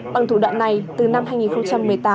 bằng thủ đoạn này từ năm hai nghìn một mươi tám